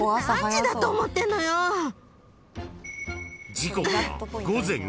［時刻は午前５時］